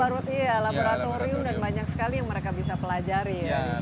itu banyak sekali yang mereka bisa pelajari